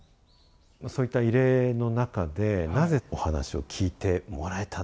そういった異例の中でなぜお話を聞いてもらえた。